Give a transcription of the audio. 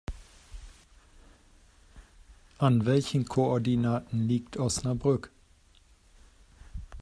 An welchen Koordinaten liegt Osnabrück?